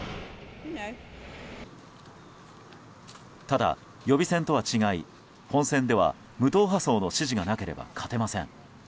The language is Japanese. ただ、予備選とは違い本選では無党派層の支持がなければ勝てません。